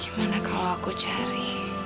gimana kalau aku cari